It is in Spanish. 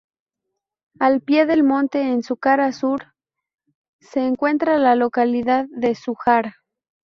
Al pie del monte, en su cara sur, se encuentra la localidad de Zújar.